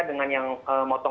dengan yang mau berubah gitu ya